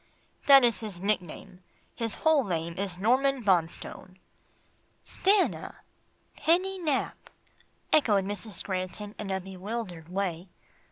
"That is his nickname, his whole name is Norman Bonstone." "Stanna Penny Nap," echoed Mrs. Granton in a bewildered way.